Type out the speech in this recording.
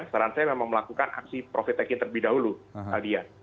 saran saya memang melakukan aksi profit taking terlebih dahulu aldia